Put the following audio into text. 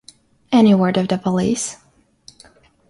Any word of the police?